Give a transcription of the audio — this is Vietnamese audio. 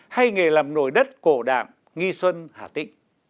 hay nghề làm nổi đất cổ đạm nghi xuân hà tĩnh